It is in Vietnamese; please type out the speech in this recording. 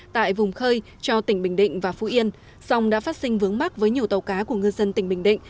tại vùng khơi cho tỉnh bình định và phú yên song đã phát sinh vướng mắt với nhiều tàu cá của ngư dân tỉnh bình định